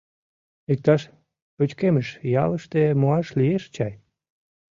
Иктаж пычкемыш ялыште муаш лиеш чай...